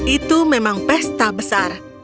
itu memang pesta besar